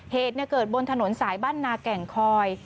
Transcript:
เหตุเกิดบนถนนสายบ้านนาแก่งคอย